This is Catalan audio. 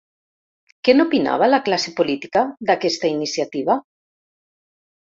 Què n’opinava la classe política, d’aquesta iniciativa?